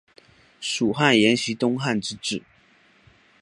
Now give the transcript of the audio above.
蜀汉沿袭东汉之制。